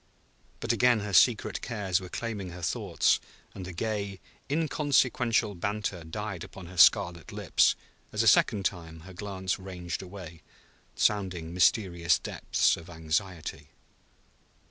But again her secret cares were claiming her thoughts, and the gay, inconsequential banter died upon her scarlet lips as a second time her glance ranged away, sounding mysterious depths of anxiety.